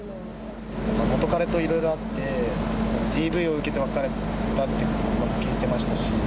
元彼といろいろあって、ＤＶを受けて別れたって聞いてましたし。